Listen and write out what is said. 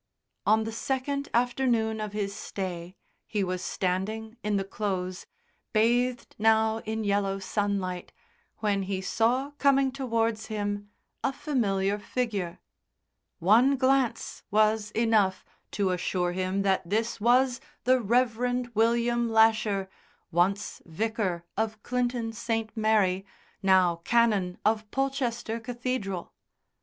On the second afternoon of his stay he was standing in the Close, bathed now in yellow sunlight, when he saw coming towards him a familiar figure. One glance was enough to assure him that this was the Rev. William Lasher, once Vicar of Clinton St. Mary, now Canon of Polchester Cathedral.